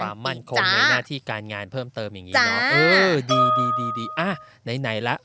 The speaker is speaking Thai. ความมั่นคงในหน้าที่การงานเพิ่มเติมอย่างนี้เนอะเออดีดีอ่ะไหนไหนล่ะ